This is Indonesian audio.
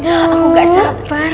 aku gak sabar